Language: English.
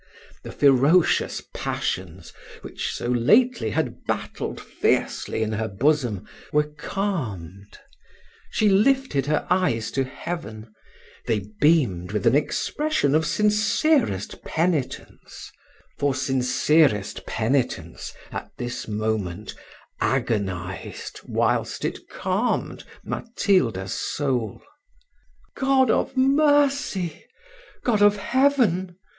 The ferocious passions, which so lately had battled fiercely in her bosom, were calmed: she lifted her eyes to heaven: they beamed with an expression of sincerest penitence; for sincerest penitence, at this moment, agonised whilst it calmed Matilda's soul. "God of mercy! God of heaven!"